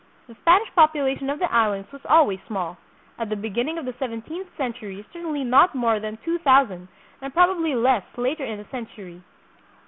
The Spanish population of the Islands was always small, at the beginning of the seventeenth century certainly not more than two thou sand, and probably less later hi the century.